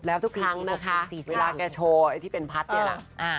แล้วทุกครั้งนะคะเวลาแกโชว์ไอ้ที่เป็นพัดเนี่ยนะ